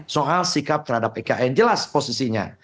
soal sikap terhadap ikn jelas posisinya